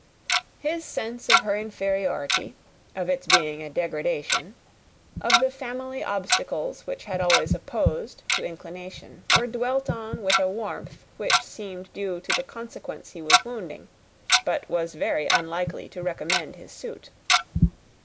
His sense of her inferiority, of its being a degradation, of the family obstacles which judgment had always opposed to inclination, were dwelt on with a warmth which seemed due to the consequence he was wounding, but was very unlikely to recommend his suit.